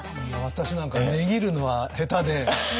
私なんか値切るのは下手で。